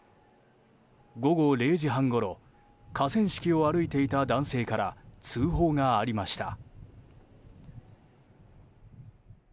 午後０時半ごろ河川敷を歩いていた男性から通報がありました。